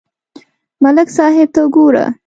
ملک صاحب ته گوره